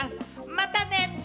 またね！